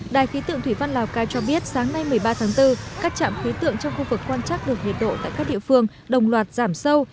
đài khí tượng thủy văn lào cai cho biết sáng nay một mươi ba tháng bốn các trạm khí tượng trong khu vực quan trắc được nhiệt độ tại các địa phương đồng loạt giảm sâu